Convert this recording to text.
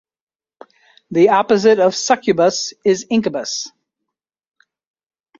The opposite of "succubous" is incubous.